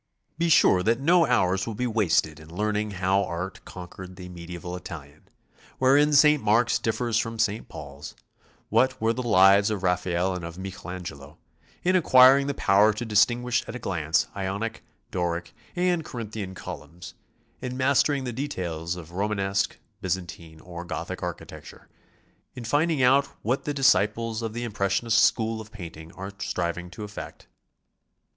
Be sure that nc hours will be wasted in learning how Art conquered the mediaeval Italian, wherein St. Mark's differs from St. Paul's, what were the lives of Raphael and of Michel Angelo; in acquiring the power to distinguish at a glance Tonic, Doric, and Corinthian columns, in mastering the de tails of Romanesque, Byzantine or Gothic architecture, in finding out What the disciples of the impressionist school of painting are striving to effect.